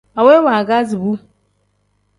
Aweyi waagazi bu.